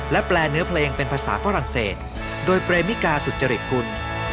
และแปลเนื้อเพลงเป็นภาษาฝรั่งเศสโดยเปรมิกาสุจริตกุล